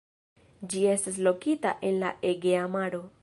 Ĝi estas lokita en la Egea Maro.